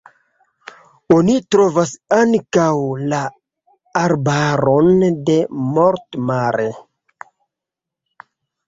Oni trovas ankaŭ la arbaron de Mort-Mare.